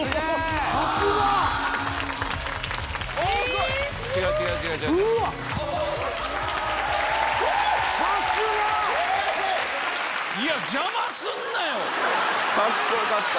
さすが！カッコよかった。